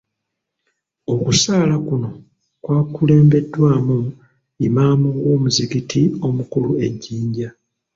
Okusaala kuno kwakulembeddwamu Imaam w'omuzikiti omukulu e Jinja.